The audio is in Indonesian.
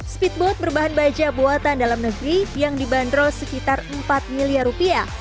speedboat berbahan baja buatan dalam negeri yang dibanderol sekitar empat miliar rupiah